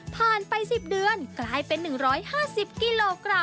ไป๑๐เดือนกลายเป็น๑๕๐กิโลกรัม